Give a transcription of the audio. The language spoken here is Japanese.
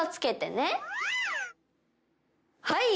はい！